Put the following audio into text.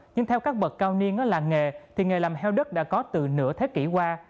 nhưng theo các bậc cao niên ở làng nghề thì nghề làm heo đất đã có từ nửa thế kỷ qua